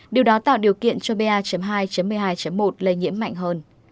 điều đó tạo điều kiện cho ba hai một mươi hai một lây nhiễm mạnh hơn